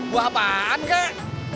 buah apaan kak